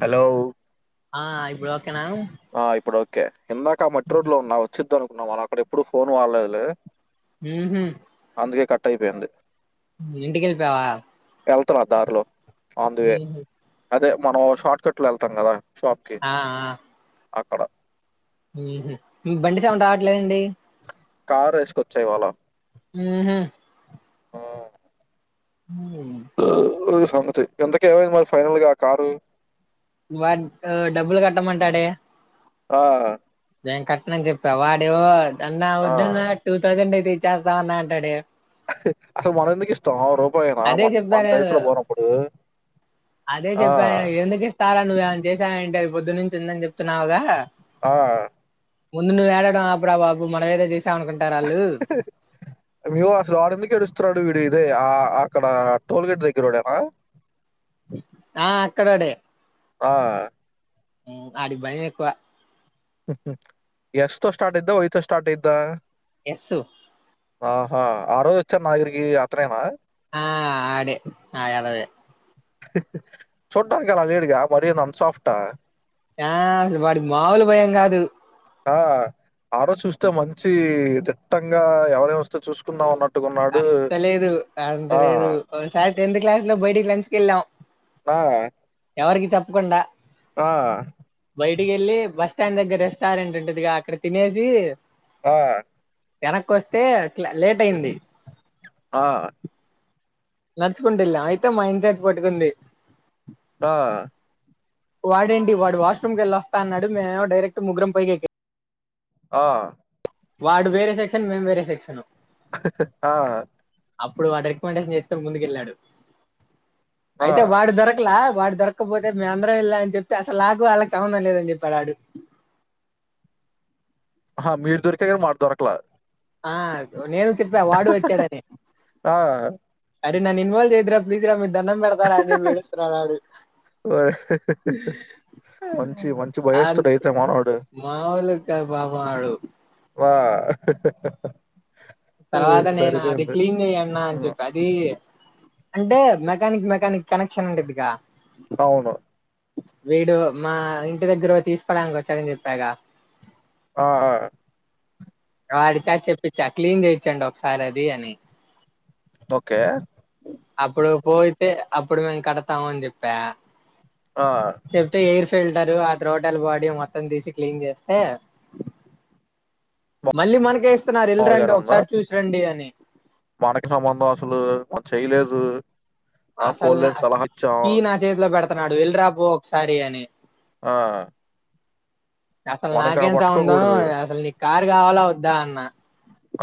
Hello ఆయ్ bro ఆ ఇప్పుడు ఓకే ఇందాక మట్రోడ్ లో ఉన్నా వచ్చిద్దనుకున్నాం. మనం అక్కడ ఎప్పుడు ఫోన్ వాడ్లెదులే. ఊహు అందుకే కట్ అయిపోయింది. ఇంటికెలిపావా? ఎళ్తున్నా దారిలో ఆన్ ది వే అదే మనం షార్ట్ కట్ లో వెళ్తాం కదా. షాప్ కి ఆ ఆ అక్కడ ఉహ్ నీకు బండి సౌండ్ రాట్లేదెంటి? కార్ వేసుకొచ్చాయివాళ్ళా ఊహు ఆహ్ ఇది సంగతి ఇంతకేమయింది మరి ఫైనల్గా కారు. వా ఉహ్ డబ్బులు కట్టమంటాడే ఆ నేను కట్టననిజెప్పా వాడూ అన్న ఆ వద్దన్న టూ థౌజండ్ అయితెచ్చేస్తాం అన్నా అంటాడు. అసలు మనమెందికిస్తం రో అదే చెప్పా నేను. అదే ఆ చెప్పా నేను ఎందుకు ఇస్తారా నువె చేశామేంట అవి పొద్దునుంచుందని చెప్తున్నావుగా ఆ ముందు నువ్వు ఎడడం ఆప్రా బాబు మనం ఏదో చేస్ అరె అసలు ఆడెందుకెడుస్తున్నాడు? వి ఇదే ఆ అక్కడ టోల్ గేట్ దగ్గరోడేనా? ఆ అక్కడొడే ఆ ఉహ్ అడ్కి భాయంమోక్కువ హుహ్ ఎస్తో స్టార్ట్ అయిద్దా. వయ్ తో స్టార్ట్ అయిద్దా. యస్సు ఆహా ఆ రోజొచ్చారు నాగిరికి అతనేేనా? ఆ ఆడె ఆ యాదవే చుడ్డన్కలా లేడుగా మరి ఆయినంత సాఫ్టా య అసలు వాడికి మాములు భయం కాదు. ఆ ఆరోజు చూస్తే మంచీ దిట్టంగా ఎవరేమస్తే చూసుకున్నాం ఉన్నట్టు అంత లేదు అంత లేదు ఒసారి టెన్త్ క్లాస్ లో బయటికి లంచ్కెళ్ళాం. ఆ ఎవరికి చెప్పకుండా ఆ బయటకెళ్ళి బస్ స్టాండ్ దగ్గర రెస్టారెంట్ ఉంటుదిగా అక్కడ తినేసి. ఆ ఎనక్కొస్తే అట్లా లేట్ అయింది. ఆ నడుచుకుంటెళ్ళం అయితే మా ఇంచార్జ్ పట్టుకుంది ఆ వాడేంటి వాడు వాష్రూమ్కెళ్ళొస్తా అన్నాడు మేమేమో డైరెక్ట్ ముగ్రం పైకి ఎ ఆ వాడు వేరే సెక్షన్, మేం వేరే సెక్షన్ ఆ అప్పుడు వాడు రికమెండేషన్ చేసుకొని ముందుకెళ్ళాడు. ఆ! అయితే వాడు దొరకలా వాడు దొరక్కపోతే మేము అందరం వెళ్ళాం అని చెప్తే అసలు నాకు, వాళ్ళకి సంబంధం లేదని చెప్పాడు ఆడు. ఆ మీర్ దొరికయిగ మాక్ దొరక్ల ఆ నేను చెప్పా వాడు వచ్చాడని ఆ! అరె నన్ను ఇన్వాల్వ్ చెయ్యొద్దురా అని ప్లీజ్ రా మీకు దండం పెడతారా అని ఏడుస్తున్నాడు ఆడు హ హ అంత్ మామూలుగాదు పాపం ఆడు వా తర్వాత నేను అది క్లీన్ చెయన్న అని హ్మ్. చెప్ప అది అంటే మెకానిక్ మె కానిక్ కనెక్షన్ ఉండిద్దిగా అవును వీడు మా ఇంటి దగ్గర తీసుకోవడానికి వచ్చాడని చెప్పాగా ఆ ఆ వాడి చా చెప్పిచ్చా క్లీన్ చేయిచ్చండి ఒకసారి అది అని ఓకే అప్పుడు పోయితే అప్పుడు మేం కడతాము అని చెప్పా ఆ! చెప్తే ఏర్ ఫెల్త్ అంటారు ఆ త్రోటల్ బాడీ మొత్తం తీసి క్లీన్ చేస్తే మళ్ళీ మనకేస్తున్నారు వెల్లిరండి మాములుగానే ఉందా? ఒకసారి చూచిరండి అని మనకి సంబంధం అసలు మన చేయలేదు ఆ పోన్లే అని సలహా ఇచ్చం నాడు ఎల్డ్రా పో ఒకసారి అని ఆ అసలు మనింకా నాకేం సంబంధం పట్టుకోకూడదు. అసలు నీకు కారు కావాలా వద్దా అన్న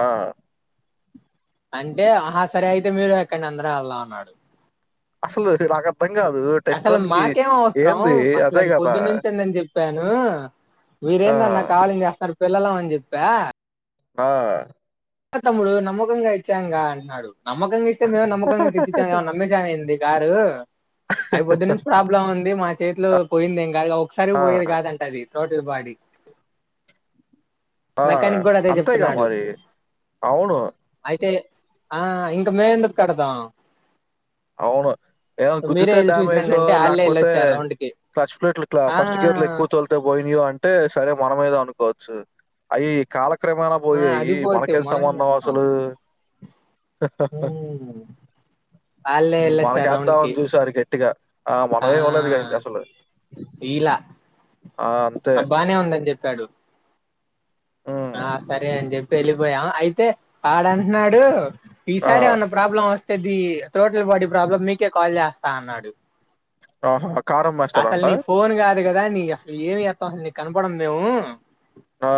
ఆ అంటే ఆ హ సరే అయితే మీరు ఎక్కండి అందరం వెళ్దాం అన్నాడు అసలు నాకర్థం కాదు టెస్ట్ అసలు రన్‌కి మాకేం అవసరం ఏంది? అసలు అదే అది కదా! పొద్దునుంచిందని చెప్పా ను ఆ! మీరెందన్న కావాలని చేస్తన్నారు పిల్లలమని చెప్పా ఆ తమ్ముడు నమ్మకంగా ఇచ్చాంగా అంటున్నాడు నమ్మకంగా ఇస్తే మేము నమ్మకంగా తెచ్చిచ్చాంగా ఏమన అమ్మేసామా కారు అవి పొద్దు నుంచి ప్రాబ్లం ఉంది మా చేతిలో పోయిందెం కాదుగా ఒకసారి ఆ! పోయేది కాదంట అది త్రోటిది బాడీ ఆ మెకానిక్ కూడా అదే అంతేగా చెప్తున్నాడు మరి అవును ఆ ఇంక మేమెందుకు కడతాం అవును ఏదన మీరే గుద్దితే వెళ్ళి చూసిరండి డ్యమేజ్జో అంటే వాళ్ళే వెళ్ళి లేకపోతే వచ్చారు రౌండ్ కి క్లచ్ ప్లేట్లు ఇట్లా ఆ ఫస్ట్ గేర్ లో ఎక్కువ తోలితే పోయినాయో అంటే సరే మనమీదో అనుకోవచ్చు అయి కాల క్రమేనా ఆ, అది పోయాయి పోతే మనకేం మనం ఏం సంబంధం చేస్తాం అసలు హ హ ఉమ్, వాళ్ళే వెళ్ళొచ్చారు రౌండ్ కి మనకేద్దామని చూసారు గట్టిగా ఆ మనం ఇవ్వలేదుగా అసలు ఈలా ఆ! అంతే. ఆ బానే ఉందని చెప్పాడు హ్మ్. ఆ సరే అని చెప్పి వెళ్ళిపోయాం అయితే ఆడుంటున్నాడు ఆ! ఈసారీమన్న ప్రాబ్లం వస్తేది టోటల్ బాడీ ప్రాబ్లం మీకే కాల్ చేస్తా అన్నాడు ఆహా! అసలు కారమ్మేస్తాడంట. ని ఫోన్ కాద్ కదా నీ అసలు ఏమి చేస్తాం అసలు నీకు కనపడం మేము ఆ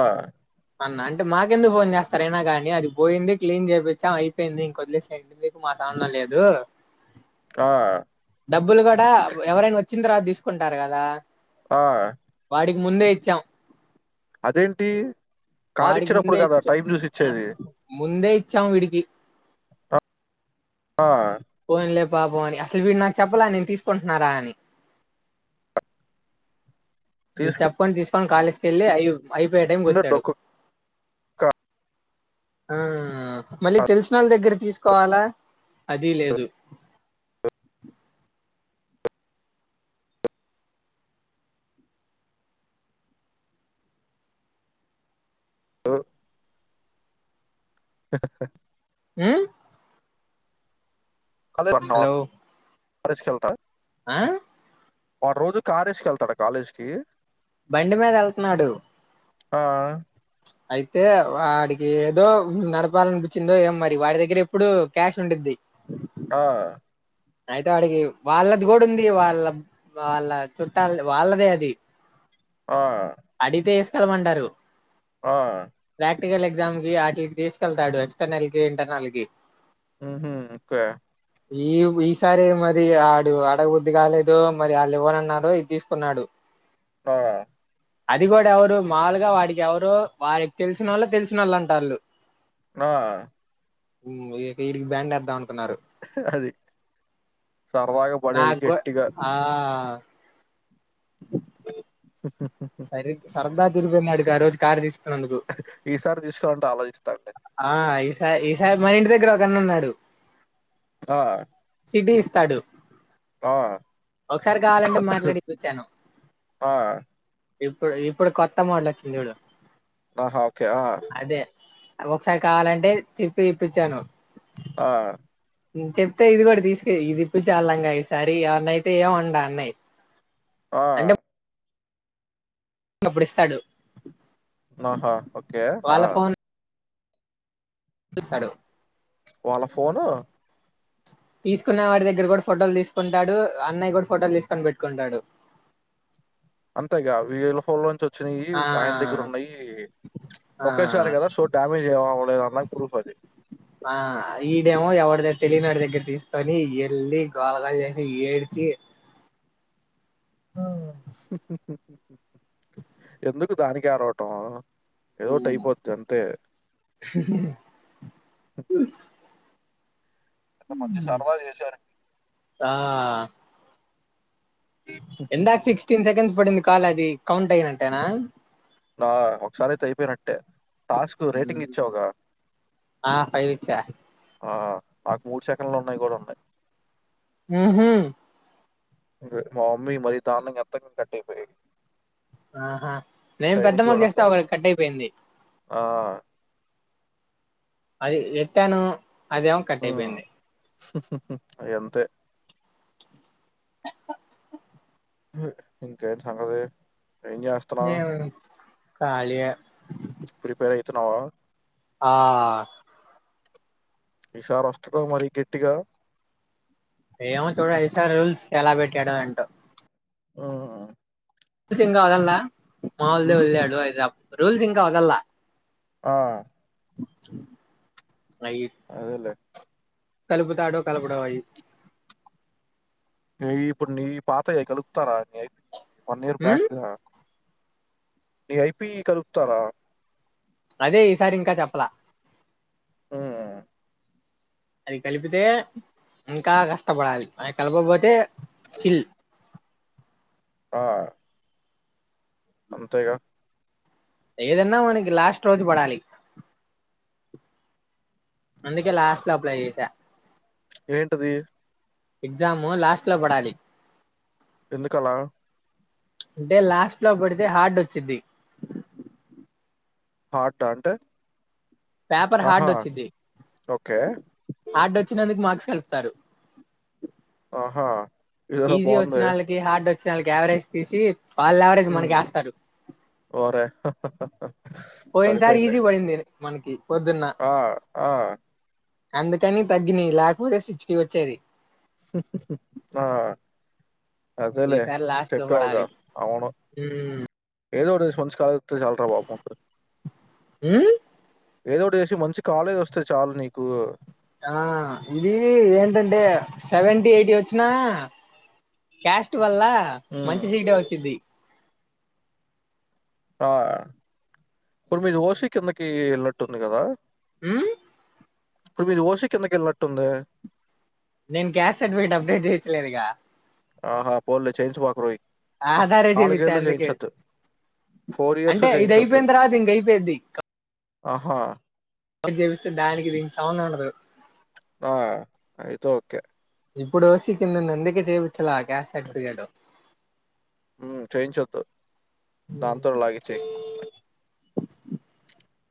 అన్న అంటే మాకెందుకు ఫోన్ చేస్తారయినా గానీ అది పోయింది క్లీన్ చేపిచాం అయిపోయింది ఇంక వదిలేసయండి మీకు సంబంధం లేదు ఆ డబ్బులు కూడా ఎవరైనా వచ్చిన్ తర్వాత తీసుకుంటారు గదా ఆ అడికి ముందే ఇచ్చాం అదేంటీ వాడికి ముందే ఇచ్చా ముందే ఇచ్చాము వీడికి ఆ పోనులే పాపమని అస్లు వీడు నాకు చెప్పలే నేను తీసుకుంటున్నారా అని ఈ తీసుకుంది చెప్పకుండా తీసుకొని కాలేజ్కి వెళ్ళి అయి అయిపోయే టైంకి వచ్చాడు డొక్కు ఆ మళ్ళీ తెల్సి నోళ్ళ దగ్గర తీసుకోవాలా అదీ లేదు ఓ హ హా హుమ్ కాలేజ్ ఒనెహౌర్ ప్రెసుకెళ్తా ఆ వాడ్ రోజు కారేసుకేళ్తాడా కాలేజ్ కి బండి మీద వెళ్తున్నాడు ఆ అయితే వాడికి ఏదో నడపాలనిపించిందో ఏం మరి వాడి దగ్గర ఎప్పుడు క్యాష్ ఉండేది ది ఆ అయితే ఆడికి వాళ్ళది కూడా ఉంది వాళ్ళ వాళ్ళ చుట్టాల వాళ్ళదే అది ఆ అడిగితే ఇస్తామంటారు ఆ ప్రక్టికల్ ఎగ్జామ్ కి అచ్చి తీసుకెళ్తాడు ఎక్స్టర్నల్ కి ఇంటర్నల్ కి ఉహామ్ ఒకే ఈ ఈ సారి మరి ఆడు అడగు బుద్ధి కాలేదో మరి ఆళ్ళు ఇవ్వనున్నారో ఇది తీసుకున్నాడు ఆ అది కూడా ఎవరు మాములుగా వాడికి ఎవరు వారికి తెలిసినోళ్ళ తెలిసినోళ్ళు అంట వాళ్ళు ఆ ఇడికి బ్యాండెధాం అను కున్నారు అది. సరదాగా పడేది అడీకూడా గట్టిగా. ఆ హు హు ఇరిగి పోయింది అడు ఆ రోజు కార్ తీసు అందుకు ఈసారి తీసుకోవాలంటే ఆలోచిస్తానులే. ఆ ఈ ఈస మన ఇంటి దగ్గర ఒకన్న ఉన్నాడు ఆ ఇడీస్తాడు ఆ! ఒకసారి కావాలంటే మాట్లాడి ఇపిచ్చాను ఆ! ఇప్పుడు ఇప్పుడు కొత్త మోడలు వచ్చింది చూడు ఓహో ఓకే ఆ అదే ఒకసారి కావాలంటే చెప్పి ఇప్పిచాను ఆ చెప్తే ఇది కూడా తీసుక ఇది ఇపిచ్చ చల్లంగా ఈసారి అవన్నయితే ఏ ఉండ అన్నయయి ఆ డబ్బులిస్తాడు ఆహా ఓకే ఆ పిస్తాడు వాళ్ళ ఫోనూ తీసుకున వాడి దగ్గర గుడ ఫోటోలు తీసుకుంటాడు అన్నయ గుడ ఫోటోలు తీసుకొని పెట్టుకుంటాడు అంతేగా వీళ్ళ ఫోన్లో నుంచి వచ్చినాయి ఆ! ఆయన దెగ్గరున్నయి ఆ! ఒకేసారి గదా సో డ్యామేజ్ ఏం అవలేదు అండాంనీ ప్రూఫ్ అది. ఆ ఈడెమో ఎవడి దే తెలినోడు దగ్గర తీసుకొని ఎల్లి గోల గోల చేసి ఏడ్చి హా ఎందుకు దానికి ఎడవటము ఏదోటైపోద్ది అంతే ఇత మంచి సర్దా చేసారండి. ఆ! ఇందాక సిక్స్టీన్ సెకండ్స్ పడింది కాల్ అది కౌంట్ అయినంటేనా. నా ఒకసారైతె అయిపోయినట్టే. టాస్కు రేటింగ్ ఇచ్చావుగా. ఆ! ఇచ్చా. ఆ నాక్ మూడు సెకండ్లు ఉన్నాయి గుడ ఉంటాయి. మ్ హు్ మా మమ్మీ మరి దారుణంగా ఎత్తకుంటే కట్ అయిపోయేది. ఆహా నేన్ పెద్దమ్మ చేస్తా ఒకటీ అయినయి. కట్ అయిపోయింది. ఆ! అది ఎత్తాను అదేమో కట్ అయిపోయింది. అవి అంతే ఏటి ఇంకేటి సంగతే ఏం జేస్తున్నావ్ నేను ఖాళీయే ప్రిపేర్ అయితున్నావా? ఆ ఈసారి ఓస్తదో మరి గట్టిగా ఏమో చూడలి ఇసారీ రూల్స్ ఎలా పెట్టాడో ఎంటో? ఆహా రూల్స్ ఇంగ ఒద్దలే ఒదులే ఒదిలే అడ్వైస్ రూల్స్ ఇంకా ఓద్దలే ఆ అవి అదేలె కలుపుతాడో కలుపుడో అయి నవి ఇప్పుడు నీవి పాతాయే కలుపుతారా నీ అయిపోనాయి వన్ ఇయర్ ఉమ్, బ్యాక్ నీ అయిపియి కలుపుతారా అదే ఈసారి ఇంకా చెప్పలా ఉమ్ అవి కలిపితే ఇంకా కష్టపడాలి అవి కలపకపోతే చిల్ ఆ అంతేగా ఏదన్నా మనకి లాస్ట్ రోజు పడాలి. అందుకే లాస్ట్ లో అప్లై చేసా. ఏంటది? ఎగ్జాము లాస్ట్ లో పడాలి. ఎందుకలా? అంటే లాస్ట్ లో పడితే హర్ట్చ్చిది. హార్ట అంటే? పేపర్ ఆహా! హార్డొచ్చిది ఓకే. హార్డొచ్చినందుకు మార్క్స్ కల్పుతారు ఆహా ఇదేదో ఈజీ వచ్చిన బావుందే. వాళ్ళకి హార్డ్ వచ్చిన వాళ్ళకి యావరేజ్ తీసీ వాళ్ళు యావరేజ్ మనకి ఏస్తారు బ్లాంక్ పోయిన్ సారి ఈజీ పడింది మనకి పొద్దున్న ఆ ఆ అందుకని తగ్గినయి లేకపోతే సిక్స్టీ వచ్చేది అదెలే ఈసారి లాస్ట్ లో చెెప్పావుగా పడాలి అవును ఏదో ఒకటి చూసి మంచి కాలేజ్ వస్తే చల్రా బాబు ఉమ్, ఏదోటి చేసి మంచి కాలేజ్ వస్తే చాలు నీకు ఆ ఇది ఏంటంటే సెవెంటీ, ఎయిటీ వచ్చినా క్యాస్ట్ వల్ల హ్మ్. మంచి సీట్ వచ్చిది ఆ ఇప్పుడు మీరు ఓసి కిందకి వెళ్ళినట్టుంది గదా ఉమ్ ఇప్పుడు మీది ఓసి కిందకెళ్ళినట్టుందే నేను క్యాస్ట్ సర్టిఫికేట్ అప్డేట్ చేయించలేదుగా ఆహా పోల్లే చేయించబాకురోయి ఆధారే చేపించా నాలుగేళ్ళు అందుకే చేయించొద్దు ఇయర్స్ అంటే ఇది చేయించొద్దు. అయిపోయిన తర్వాత ఇంక అయిపోయిద్ది ఆహా అ చెపిస్తే దానికి దీనికి సంబంధమే ఉండదు ఆ ఐతే ఓకే ఇప్పుడు ఓసి కిందుంది అందుకే చేపిచ్చలే క్యాష్ సర్టిఫికెట్ ఉమ్ చేయించొద్దు దానితోనే లాగించేయి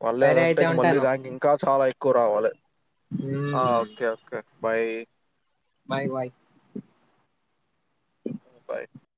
మళ్ళీ సరే అదంటే అయితే ఇంగ మళ్ళీ ఉంటాను. ర్యాంక్ ఇంకా చాలా ఎక్కువ రావాలి ఆ హ్మ్ okay okay bye bye bye bye